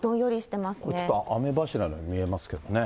ちょっと雨柱のように見えますけどね。